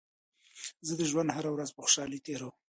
زه د ژوند هره ورځ په خوشحالۍ تېروم.